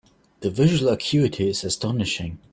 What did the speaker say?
The visual acuity is astonishing.